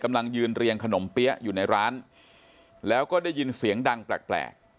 กำลังยืนเรียงขนมเปี๊ยะอยู่ในร้านแล้วก็ได้ยินเสียงดังแปลก